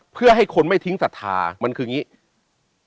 เพื่อให้คนไม่ทิ้งศรัทธามันคืออย่างนี้